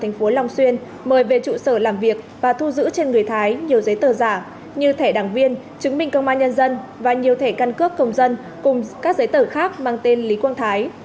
thành phố long xuyên mời về trụ sở làm việc và thu giữ trên người thái nhiều giấy tờ giả như thẻ đảng viên chứng minh công an nhân dân và nhiều thẻ căn cước công dân cùng các giấy tờ khác mang tên lý quang thái